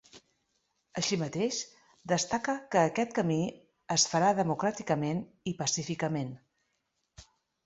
Així mateix, destaca que aquest camí es farà democràticament i pacíficament.